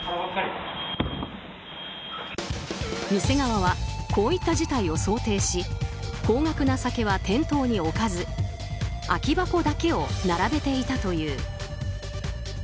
店側はこういった事態を想定し高額な酒は店頭に置かず空き箱だけを並べていたという。